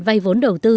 vay vốn đầu tư